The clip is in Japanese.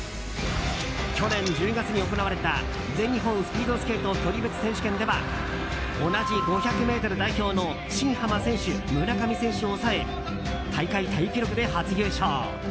去年１０月に行われた全日本スピードスケート距離別選手権では同じ５００ｍ代表の新濱選手、村上選手を抑え大会タイ記録で初優勝。